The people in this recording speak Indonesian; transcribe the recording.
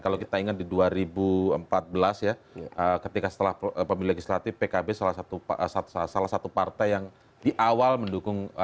kalau kita ingat di dua ribu empat belas ya ketika setelah pemilih legislatif pkb salah satu partai yang di awal mendukung